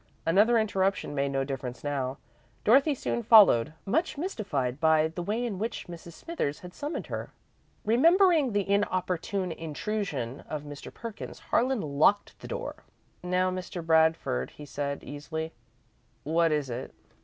Another interruption made no difference now. Dorothy soon followed, much mystified by the way in which Mrs. Smithers had summoned her. Remembering the inopportune intrusion of Mr. Perkins, Harlan locked the door. "Now, Mr. Bradford," he said, easily, "what is it?"